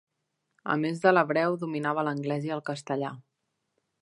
A més de l'hebreu, dominava l'anglès i el castellà.